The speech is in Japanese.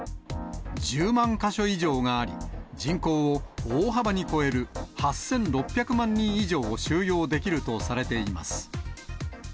１０万か所以上があり、人口を大幅に超える８６００万人以上を収容できるとされています。